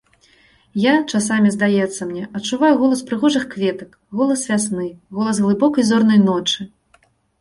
Я, часамі здаецца мне, адчуваю голас прыгожых кветак, голас вясны, голас глыбокай зорнай ночы!